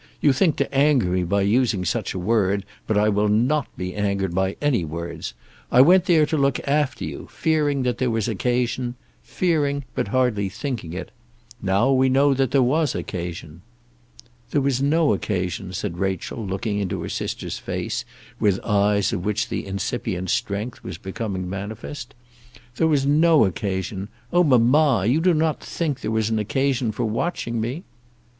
You think to anger me by using such a word, but I will not be angered by any words. I went there to look after you, fearing that there was occasion, fearing it, but hardly thinking it. Now we know that there was occasion." "There was no occasion," said Rachel, looking into her sister's face with eyes of which the incipient strength was becoming manifest. "There was no occasion. Oh, mamma, you do not think there was an occasion for watching me?"